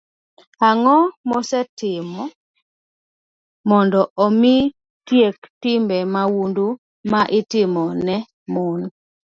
Ang'o mosetim mondo omi tiek timbe mahundu ma itimo ne mon?